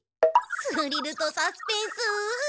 スリルとサスペンス！